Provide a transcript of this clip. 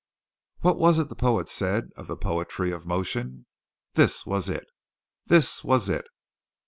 What was it the poet said of the poetry of motion? This was it. This was it.